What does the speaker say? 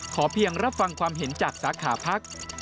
เพียงรับฟังความเห็นจากสาขาพัก